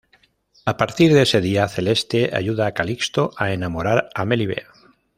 A partir de ese día, Celeste ayuda a Calixto a enamorar a Melibea.